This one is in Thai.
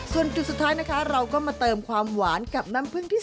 ส่วนจุดสุดท้ายนะคะเราก็มาเติมความหวานกับน้ำผึ้งที่๓